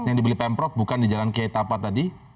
yang dibeli pemprov bukan di jalan kiai tapa tadi